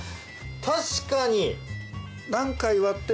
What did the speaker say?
確かに！